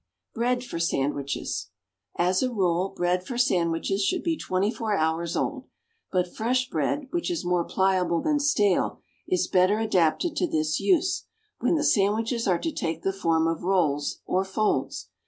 =Bread for Sandwiches.= As a rule, bread for sandwiches should be twenty four hours old; but fresh bread, which is more pliable than stale, is better adapted to this use, when the sandwiches are to take the form of rolls or folds.